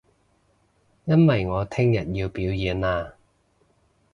因為我聽日要表演啊